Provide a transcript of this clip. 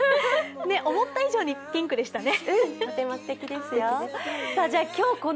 思った以上にピンクでしたね。